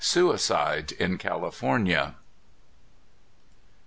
SUICIDE IN CALIFORNIA.